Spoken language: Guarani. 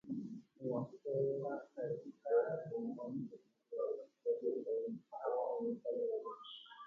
Og̃uahẽvo pyharepyte angirũmi oje'ói ha opa pajemi